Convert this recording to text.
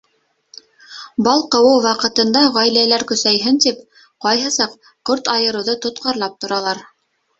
Бал ҡыуыу ваҡытында ғаиләләр көсәйһен тип, ҡайһы саҡ ҡорт айырыуҙы тотҡарлап торалар.